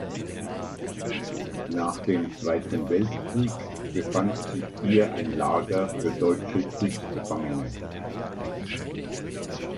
Nach dem Zweiten Weltkrieg befand sich hier ein Lager für deutsche Kriegsgefangene.